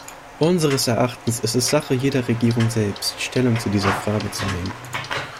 Unseres Erachtens ist es Sache jeder Regierung selbst, Stellung zu dieser Frage zu nehmen.